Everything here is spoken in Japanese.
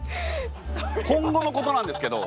今後のことなんですけど。